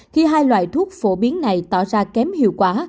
khi hai loại thuốc phổ biến này tỏ ra kém hiệu quả